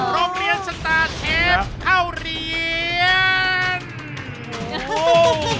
ร้องเลี้ยงชันตาเชฟเข้าเรียง